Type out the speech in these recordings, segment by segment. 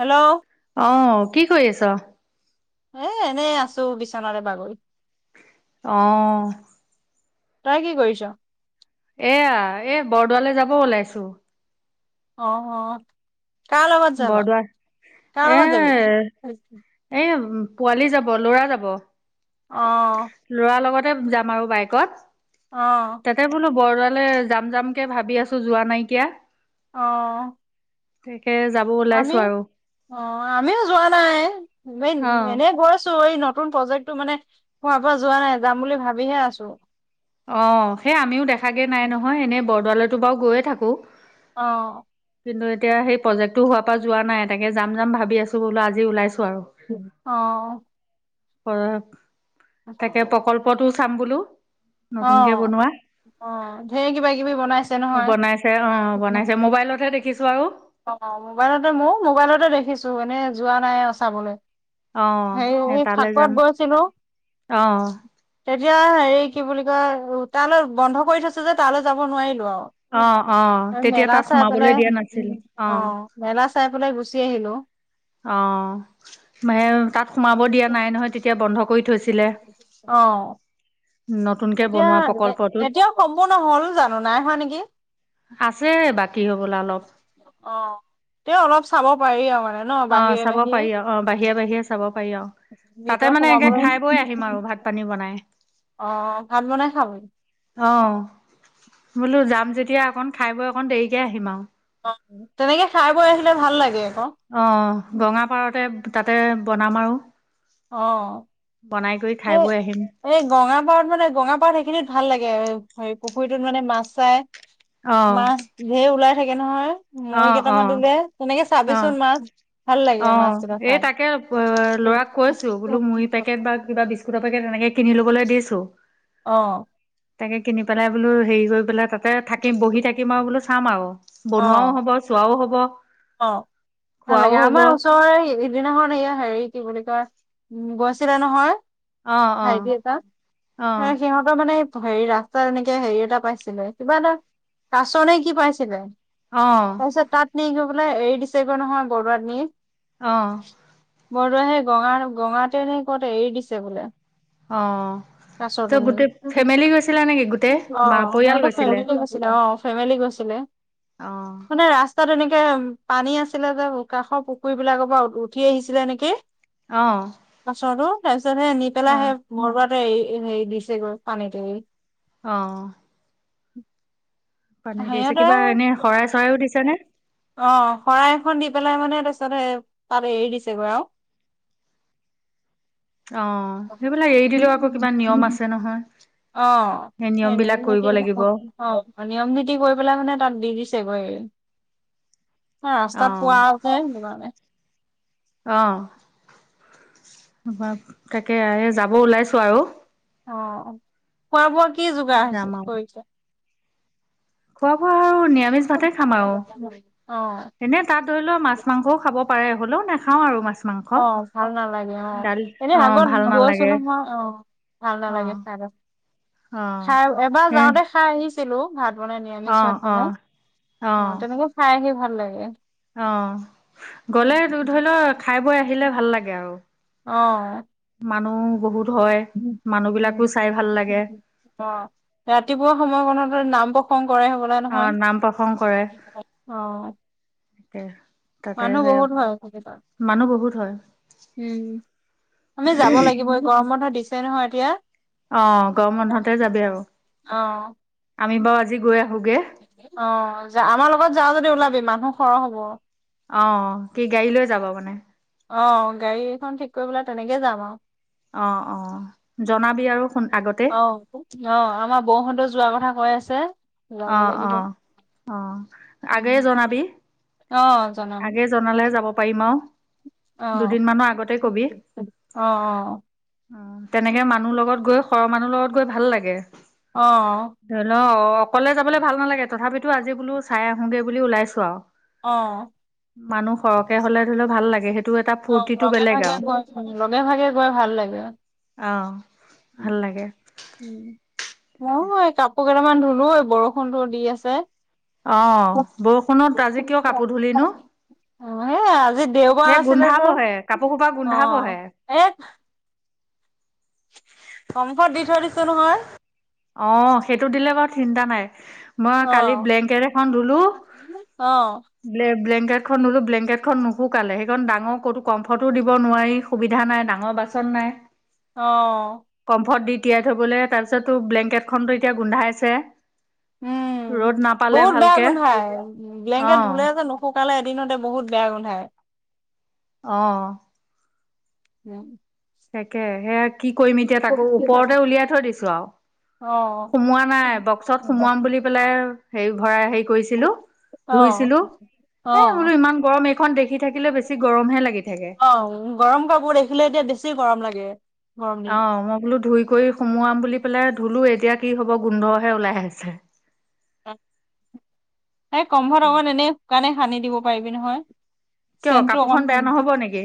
Hello. অ', কি কৰি আছ? এ এনেই আছোঁ বিচনাৰে বাগৰি। অ' তই কি কৰিছ? এয়া এ বৰদোৱালৈ যাব ওলাইছোঁ। অ' অ কাৰ লগত যাবা? বৰদোৱা কাৰ লগত যাবি? এ পোৱালি যাব, ল'ৰা যাব। অ'। ল'ৰা লগতে যাম আৰু বাইকত। অ'। তাতে বোলো বৰদোৱালে যাম যামকে ভাবি আছোঁ যোৱা নাইকিয়া। অ'। কে যাব ওলাইছো আমিও আৰু অ' আমিও যোৱা নাই এই অ', এনে গৈছো এই ন তুন প্ৰজেক্টটো মানে হোৱাৰ পৰা যোৱা নাই যাম বুলি ভাবিহে আছো। অ' সেই আমিও দেখাগে নাই নহয়, এনেই বৰদোৱালেতো বাও গৈয়ে থাকো। অ'। কিন্তু এতিয়া সেই প্ৰজেক্টটো হোৱাৰপা যোৱা নাই, তাকে যাম যাম ভাবি আছো বোলো আজি ওলাইছো আৰু। অ'। তাকে প্ৰকল্পটো চাম বোলো। অ নতুনকে বনোৱা। অ ঢেৰ কিবা কিবি বনাইছে অ' নহয় বনাইছে, অ বনাইছে মোবাইলতহে দেখিছো আৰু অঁ, মোবাইলতে মও মোবাইলতে দেখিছোঁ এনেই যোৱা নাই আৰু চাবলে অ সেই তালৈ ফাকুৱাত যাম গৈছিলো। অ তেতিয়া হেৰি কি বুলি কয়, হোতালৰ বন্ধ কৰি থৈছে যে তালৈ যাব নোৱাৰিলো অ অ আও তেতিয়া মেলা তাত চাই পেনে সোমাবলৈ দিয়া নাছিলে অ মেলা চাই পেলাই গুচি আহিলো। অ তাত সোমাব দিয়া নাই নহয় তেতিয়া বন্ধ কৰি থৈ অ'। নতুনকে এতিয়া, বনোৱা প্ৰকল্পটোত এতিয়াও সম্পূৰ্ণ হ'ল জানো নাই হোৱা নেকি। আছে বাকী হ'বলা অলপ। অ' তেও অলপ চাব পাৰি আৰু মানে। ন অ', বাহিৰে চাব বাহিৰে পাৰি আৰু অ' বাহিৰে বাহিৰে চাব পাৰি আৰু তাতে ভিতৰত মানে একে সোমাবলৈ খাই বৈ আহিম আৰু ভাত- পানী বনাই। অ অ ভাত বনাই খাম। অ' বোলো যাম যেতিয়া অকণ খাই বৈ অকণ দেৰিকে আহিম আৱ অ' তেনেকে খাই বৈ আহিলে ভাল লাগে আক অ' গঙাপাৰতে তাতে বনাম আৰু অ'। বনাই কৰি খাই সেই বৈ আহিম। এই গঙাপাৰত মানে গঙাপাৰত সেইখিনিত ভাল লাগে, হে' পুখুৰীটোত মানে মাছ চাই অ মাছ ধেৰ ওলাই থাকে নহয়। অ মুৰী অ কেইটামান দলিয়াই, তেনেকে অ চাবিচোন মাছ। ভাল লাগে মাছ অ' কেইটা এই চাই তাকে অ ল'ৰাক কৈছো বোলো মুৰী পেকেট বা কিবা বি স্কুত পাকেট এনেকে কিনি লবলৈ দিছো। অ'। তাকে কিনি পেলাই বোলো হেৰি কৰি পেলাই তাতে থাকিম বহি থাকিম আৰু বোলো চাম আৰু। অ বুনোৱাও হব, চোৱাও হব। অ', ভাল খোৱাও লাগে হ'ব আমাৰ ওচৰৰে হেৰিত সিদিনাখন হেৰিয়া কি বুলি কয়, উম গৈছিলে নহয়। অ অ ভাইটি এটা, অ সিহঁতৰ মানে হেৰি ৰাস তাৰ এনেকে হেৰি এটা পাইছিলে কিবা এটা, কাছৰ নেকি পাইছিলে। অ তাৰপিছত তাত নি গৈ পেলাই এৰি দিছেগৈ নহয় বৰুৱাত নি। অ'। বৰদোৱ সেই গঙা-গঙাতে নে ক'ত এৰি দিছে বোলে। অ', কাছৰ ত' টুনি গোটেই ফেমিলি গৈছিলা নেকি গোটেই অ বা পৰিয়াল সিহঁতৰ গৈছিলে? ফেমিলি অ', ফেমিলি গৈছিলে। অ মানে ৰাস্তাত এনে পানী আছিলে যে কাষৰ পুখুৰী বিলাকৰ পৰা উঠি আহিছিলে নেকি। অঁ। কাছটো তাৰ পিছত সে নি পেলাই সেই মৰ পৰাতে হেৰি দিছেগৈ পানীতে। অঁহ। পানী দিছে, সিহঁতে কিবা এনে শৰাই চৰাইও দিছে নে? অ', শৰাই এখন দি পেলাই মানে তাৰপিছত, তাত এৰি দিছেগৈ আৰু। অ', সেইবিলাক এৰি দিলেও আকৌ কিবা নিয়ম আছে নহয়। অ [unintelligible] সেই অ', নিয়ম বিলাক কৰিব লাগিব নীতি কৰি পেলাই মানে তাত দি দিছেগৈ। অ ৰাস্তাত পোৱা আছে সেইটো কাৰণে। অ। তাকে এ যাব ওলাইছো আৰু। অ', খোৱা বোৱা কি যোগাৰ যাম হৈছে আৰু কৰিছে? খোৱা বোৱা আৰু নিৰামিষ ভাতে খাম আৰু, অ এনে তাত ধৰি লও মাছ- মাংসও খাব পাৰে হ'লেও নাখাও আৰু মাছ মাংস অ', ভাল নালাগে অ', দালি এনে অ আগত ভাল গৈছো নালাগে নহয় অ',। ভাল অ নালাগে চাই ত, অ চাই এবাৰ হে যাওঁতে খাই আহিছিলো ভাত বনাই অ নিৰামিষ ভাত অ বনাই, অ', তেনেকে খাই আহি ভাল লাগে। অ', গলে ধৰি লও খাই বৈ আহিলে ভাল লাগে আৰু। অ মানুহ বহুত হয়, মানুহ উম বিলাকো চাই ভাল লাগে। অ', ৰাতিপুৱা সময়কণত নাম প্ৰসংগ কৰাই হ'বল অ নহয়, নাম প্ৰসংগ কৰে অ'। তাকে। তাতে মানুহ সেই বহুত ভাল থাকে তাৰ, মানুহ বহুত হয় উম। আমি যাব লাগিব এই গৰম বন্ধ দিছে নহয় এতিয়া। অ', গৰম বন্ধতে যাবি আৰু, অ আমি বাৰু আজি গৈ আহোগে। অ', যা আমাৰ লগত যাওঁ যদি ওলাবি মানুহ সৰহ হ'ব। অ', কি গাড়ী লৈ যাবা মানে? অ', গাড়ীখন ঠিক কৰিবলে তেনেকে যাম আৰু। অ', -অ', জনাবি আৰু শুন আগতে? অ', অ', আমাৰ বৌহতেও যোৱাৰ কথা কৈ আছে। যাব অহ', লাগিব। -অহ', -অহ ', আগে জনাবি। অ', জনাম, আগে জনালে যাব পাৰিম আৰু। অ', - দুদিনমানৰ আগতে কবি অহ', - অ'। অ', তেনেকে মানুহ লগত গৈ সৰহ মানুহ লগত গৈ ভাল লাগে। অ'। ধৰি ল অকলে যাবলৈ ভাল নালাগে তথাপিতো আজি বোলো চাই আহো গৈ বুলি ওলাইছোঁ আৰু। অ'। মানুহ সৰহকে হ'লে ধৰি ল ভাল লাগে সেইটো এটা অ', ফূৰ্তিটো লগে বেলেগ ভাগে আৰু গৈ লগে ভাগে গৈ ভাল লাগে। অ'। উম, ভাল লাগে উম। নহয় এই কাপোৰ কেইটামান ধুলো এই বৰষুণটো দি আছে। অ', বৰষুণত আজি কিয় কাপোৰ ধূলিনো? অ', সেই আজি দেওবাৰ সেই আছিলে যে, গোন্ধাবহে কাপোৰ সোপা গোন্ধাবহে। [inaudible] কম্ফ'ত দি থৈ দিছো নহয়। অ', সেইটো দিলে বাৰু চিন্তা নাই। মই কালি অ', ব্লেংকেট এখন ধুলো। অ', ব্লে ব্লেংকেটখন ধোলো ব্লেংকেটখন নুশুকালে সেইখন ডাঙৰ ক'তো ক'ম্ফটো দিব নোৱাৰি। সুবিধা নাই ডাঙৰ বাছন নাই। অ'। কমফৰ্ট দি তিয়াই থবলৈ তাৰপিছতো ব্লেংকেটখনো এতিয়া গোন্ধাইছে। উম, ৰ'দ নাপালে বহুত বেয়া ভালকে গোন্ধাই ব্লেংকেট অ', ধুলে যে নশু কালে এদিনতে বহুত বেয়া গোন্ধায়। অ'। উম। তাকে সেয়া কি কৰিম এতিয়া তাকো ওপৰতে উলিয়াই থৈ দিছো আৰু। অ সোমোৱা নাই বক্সত সোমোৱাম বুলি পেলাই হে ভৰাই হেৰি কৰিছিলো অ ধুইছিলো অ হেই বোলো ইমান গৰম খন দেখি থাকিলে বেছি গৰমহে লাগি থাকে। অ গৰম কাপোৰ দেখিলে এতিয়া বেছি গৰম লাগে। গৰম দিনত অ', মই বোলো ধুই কৰি সোমোৱাম বুলি পেলাই ধুলো এতিয়া কি হ'ব গোন্ধহে ওলাই আহিছে। এই কম্ফত অকমান এনেই শুকানে সানি দিব পাৰিবি নহয়। কিয় চেন্টটো অকমান কাপোৰখন কম বেয়া নহ'ব নেকি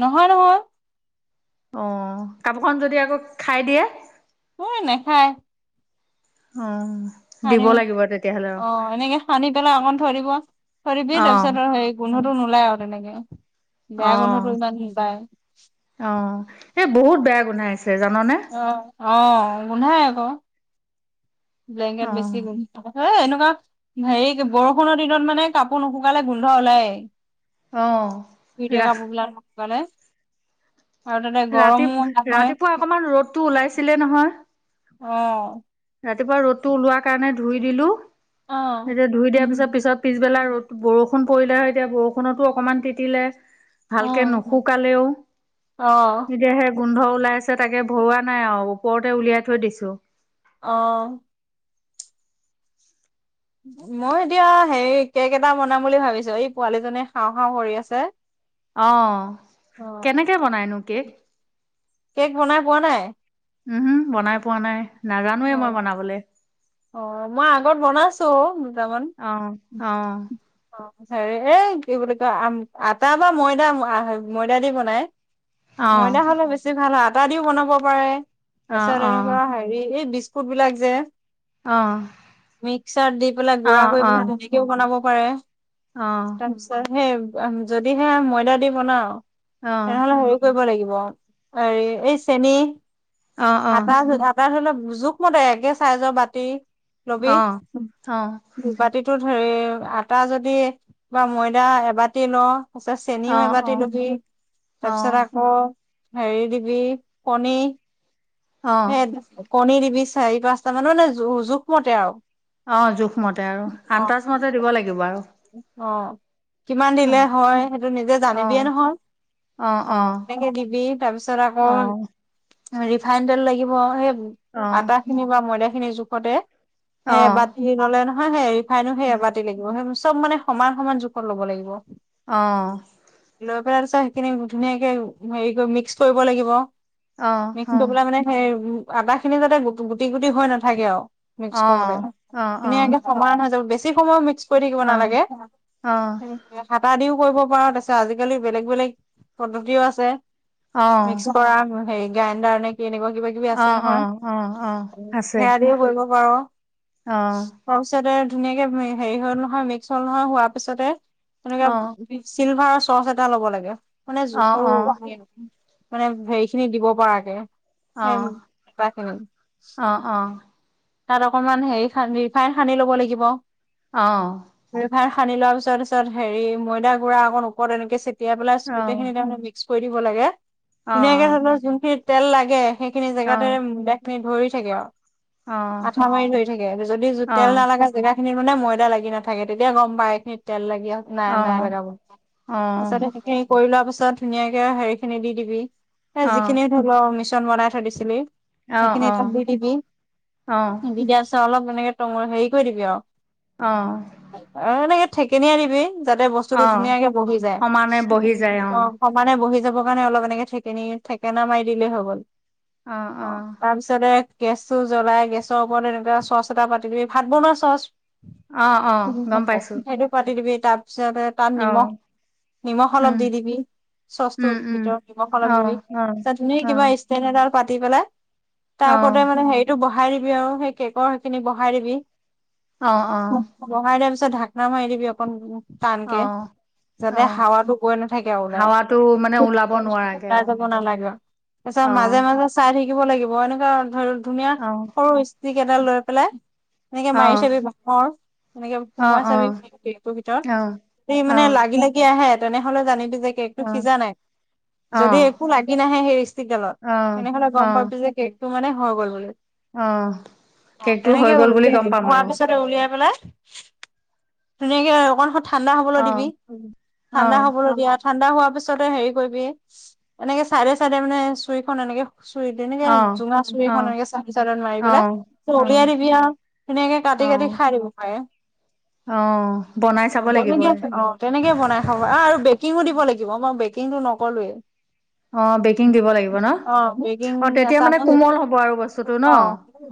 নহয় নহয়। অ', কাপোৰখন যদি আকৌ খাই দিয়ে? অই নাখায়। অ', সানি দিব লাগিব তেতিয়াহ'লে অ আৰু। এনেকে সানি পেলাই অকণ থৈ দিব থৈ দিব তাৰপিছত আৰু সেই অ গোন্ধটো নোলায় আৰু তেনেকে। অ বেয়া গোন্ধটো ইমান হেৰি পায়। অ', এই বহুত বেয়া গোন্ধাইছে জাননে? অ', অ', গোন্ধাই আকৌ। ব্লেংকেট বেছি অ', গোন তাৰপাছত এ এনেকুৱা হেৰি বৰষুণৰ দিনত মানে কাপোৰ নুশুকালে গোন্ধ ওলায়ই। অ', ধুই দিয়া ৰা কাপোৰবিলাক নুশুকালে। আৰু তাতে ৰাতি গৰমো হয় ৰাতিপুৱা অকমান ৰ'দটো ওলাইছিলে নহয়। অ'। ৰাতিপুৱা ৰ'দটো ওলোৱা কাৰণে ধুই দিলো। অ'। এতিয়া ধুই দিয়াৰ পিছত পিছত পিছবেলা ৰ'দ বৰষুণ পৰিলে হয় এতিয়া বৰষুণতো অকণমান তিতিলে ভালকে নুশুকালেও এতিয়া হে গোন্ধ ওলাই আছে তাকে ভৰোৱা নাই আৰু ওপৰতে উলিয়াই থৈ দিছো। অ', মই এতিয়া হেৰি কেক এটা বনাম বুলি ভাবিছো এই পোৱালিজনিয়ে খাওঁ-খাওঁ কৰি আছে। অ, কেনেকে বনাইনো কেক? কেক বনাই পোৱা নাই? উম, হম বনাই পোৱা নাই নাজানোৱে মই বনাবলে। অ, মই আগত বনাইছো অ দুটামান। অ', অ, অ, হেৰি এই কি বুলি কয় আটা বা ময়দা ময়দা দি বনাই। অ', ময়দা হ'লে বেছি ভাল হয় আটা দিও বনাব পাৰে অ', তাৰপিছত এনেকুৱা হেৰি এই বিস্কুট বিলাক যে অঁ, মিক্সাৰ দি পেলাই গুড়া কৰি পেলাই সেনেকেও বনাব পাৰে। অ', তাৰপিছত সেই যদিহে ময়দা দি বনাও, অ, তেনেহ'লে হেৰি কৰিব লাগিব, হেৰি এই চেন অ', আটা জো ধৰি লও জোখমতে একে চাইজৰ বাতি লবি অ', অ', অ', বাতিটো হেৰি আটা যদি বা ময়দা এবাতি ল তাৰপিছত চেনিও এবতি অ', লবি তাৰপিছত আকৌ হেৰি দিবি কনী, অ', সেই কণী দিবি চাৰি পাঁচটা মান মানে জোখমতে আৰু। অ, জোখমতে আৰু আন্তাজ মতে দিব লাগিব আৰু। অ, কিমান দিলে অ', হয় সেইটো নিজে জানিবিয়ে অ', নহয়। অ' সনেকে দিবি তাৰপিছত আকৌ অ', ৰিফাইন তেল লাগিব সেই অ', আটা খিনি বা ময়দাখিনিৰ জোখতে। অ', সেই অ', এবাতি ললে নহয় সেই ৰিফাইনো সেই এবাতি লাগিব সেই চব মানে সমান-সমান জোখত ল'ব লাগিব। অঁ, লৈ পেলাই তপছত সেইখিনি ধুনীয়াকে হেৰি মিক্স কৰিব লাগিব। অ', অ', অ', অ', অ', মিক্স কৰি পেলাই মানে সেই আদা খিনি যাতে গ গুটি গুটি হৈ নাথাকে আৰু। অ', অ', মিক্স কৰোতে সময় নাযাব বেছি সময় মিক্স কৰি, দিব নালাগে। হাতটা দিও কৰিব পাৰো তাৰপাছত আজিকালি বেলেগ-বেলেগ পদ্ধতিও আছে। মিক্স কৰা হেৰি গ্ৰাইণ্ডাৰ নে কি এনেকুৱা কিবা কিবি আছে নহয় অ', অ', আছে সেয়া দিও কৰিব পাৰ। অ', তোৱাৰ পিছতে ধুনীয়াকে হেৰি হল নহয় মিক্স হল নহয় হোৱাৰ পিছতে অ', তেনেকোৱা। চিলভাৰৰ চচ এটা লব লাগে মানে অ', সৰু। অ', মানে হেৰি খিনি দিব পৰাকে। সেই অহ, আটা খিনি অহ, অহ, তাত অকনমান হেৰি ৰিফাইন সানি ল'ব লাগিব। অ', ৰিফাইন সানি লোৱাৰ পিছত পিছত হেৰি ময়দা গুৰা অকণ ওপৰত এনেকে তেতিাই পেলাই স্মুটেই খিনি তাৰে মিক্স কৰি দিব লাগে ধুনীয়াকে ধৰণৰ যোনখিনি তেল লাগে। সেইখিনি জেগাতে [unintelligible] খিনি ভৰি থাকে আৰু। অ', আঠা মাৰি ধৰি থাকে যদি অ', তেল অ', নালাগে জেগা খিনি মানে ময়দা লাগি নাথাকে তেতিয়া গম পায় এইখিনিত তেল লাগি নাই, নাই অ', লাগা মোৰ অ', সঁচাকে। [unintelligible] খিনি কৰি লোৱা পিছত ধুনীয়াকে হেৰি খিনি দি দিবি এ অ', যিখিনি [unintelligible] মিশ্ৰণ বনাই থৈ দিছিলি সেইখিনি অ', [unintelligible] দি দিবি। অ', দি দিয়া পাছত অলপ এনেকে [unintelligible] হেৰি কৰি দিবি আৰু। অ'। অ এনেকে থেকেনিয়াই দিবি যাতে বস্তুটো অ', ধুনীয়াকে বহি যায় সমানে বহি যায় অ'। সমানে বহি যাব কাৰণে অলপ এনেকে ঠেকেনি ঠেকেনা মাৰি দিলেই হৈ গ'ল। অ তাৰপিছতে গেছ টো' জ্বলাই গেছৰ ওপৰত এনেকোৱা চচ এটা পাতি দিবি ভাত বনোৱা চচ অ', অ', গম পাইছোঁ সেইটো পাতি দিবি তাৰ পিছত তাত অ', নিমখ নিমখ অলপ উম, দি দিবি চচটোৰ উম, উম, ভিতৰত নিমখ অলপ দিবি অ', অ', তাত ধুনিয়াকে কিবা অ', ষ্টেন এডাল পাতি পেলাই তাৰ অ', ওপৰতে মানে হেৰি সেইটো বহাই দিবি আৰু সেই কেকৰ সেইখিনি বহাই দিবি। অ, অ। বহাই দিয়াৰ পিছত ঢাকনা মাৰি দিবি অকণ টানকে। অ', যাতে অ', হাৱাটো গৈ নাথাকে ওলাই হাৱাটো মানে ওলাব নোৱাৰাকে ওলাই আৰু যাব নালাগে আৰু। তাৰপিছত মাজে, অ', মাজে চাই থাকিব লাগিব এনেকুৱা ধৰি ধুনীয়া অ', সৰু ষ্টিক এডাল লৈ পেলাই। এনেকে মাৰি অ', চাবি বাঁহৰ এনেকে অ', সোমোৱাই অ', চাবি অ', কেকটোৰ অ', ভিতৰত। সি মানে অ', লাগি, লাগি আহে তেনেহ'লে জানিবি যে কেকটো সিজা নাই। যদি অ', একো লাগি নাহে সেই ষ্টিকডালত অ', তেনেহলে গম অ', পাবি যে কেকটো মানে হৈ গ'ল বুলি। অ'। অ কেকটো হৈ তেনেকে গ'ল বুলি গম উলিয়াবি পাম আৰু হোৱাৰ পিছতে উলিয়াই পেলাই ধুনীয়াকে অকন ঠাণ্ডা হ'বলৈ অ', দিবি ঠাণ্ডা অ', হ'বলৈ দিয়াত। ঠাণ্ডা হোৱাৰ পিছতে হেৰি কৰিবি এনেকে চাইডে চাইডে মানে চুৰিখন এনেকে চুৰিটো এনেকে অ', জোঙা চুৰি অ', এখনেৰে চা [unintelligible] মাৰি অ', পেলাই উলিয়াই অ', দিবি আৰু ধুনীয়াকে কাটি, কাটি অ', খাই থাকিব পাৰে। অ বনাই চাব লাগিব। তেনেকে অ তেনেকে বনাই খাব আৰু বেকিঙো দিব লাগিব মই বেকিংটো নকলোৱেই। অ বেকিং দিব লাগিব নহ অ বেকিং অ' তেতিয়া মানে এচামুচ কোমল হ'ব আৰু বস্তু বস্তুটো অ নহ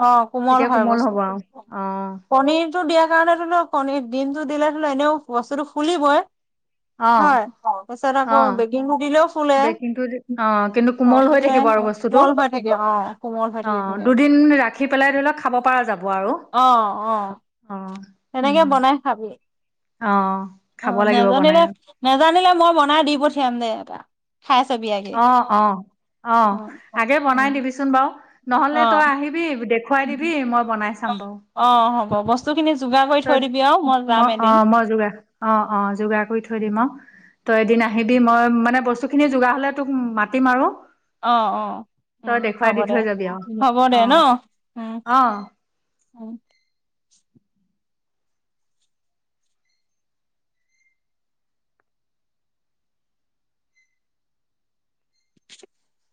অ তেতিয়া কোমল হ'ব আৰু অ। কণীৰটো দিয়াৰ কাৰণে [unintelligible] কণীৰ দিমটো দিলে হ'লেওঁ এনেও বস্তুটো ফুলিবই। [inaudible] হয় পিছত আকৌ অ', বেকিং দিলেও চলে বেকিংটো দি অ', কিন্তু অ' কোমল হৈ ফুলে। থাকিব আৰু বস্তুটো কোমল হৈ থাকে অ' কোমল হৈ থাকে। অ', [unintelligible] দুদিন ৰাখি পেলাই ধৰি লওক খাব পাৰা যাব আৰু অ'। সেনেকে উম, বনাই খাবি অ', খাব অ' লাগিব নাজানিলে বনাই নেজানিলে মই বনাই দি পঠিয়াম দে এটা। খাই চাবি আগে অ, অ, অ উ আগে বনাই দিবি বাৰু নহ'লে অ তই আহিবি দেখুৱাই দিবি মই বনাই চাম বাৰু। অ' হ'ব বস্তুখিনি যোগাৰ কৰি তই থৈ দিবি আৰু মই যাম এদিন। মই যোগাৰ অ', অ', যোগাৰ কৰি থৈ দিম আৰু তই এদিন আহিবি, মই মানে, বস্তুখিনি যোগাৰ হ'লে তোক মাতিম আৰু অ', অ', উম, তই দেখুৱাই হ'ব দি দে, থৈ যাবি আৰু হ'ব দে ন? অ', উম। অ'। উম। [inaudible]